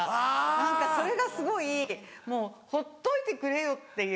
何かそれがすごいもうほっといてくれよっていう。